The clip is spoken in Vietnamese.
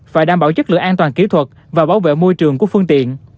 phải đảm bảo chất lượng an toàn kỹ thuật và bảo vệ môi trường của phương tiện